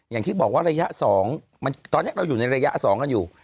อย่างที่บอกว่าระยะ๒ตอนนี้เราอยู่ในระยะ๒กันอยู่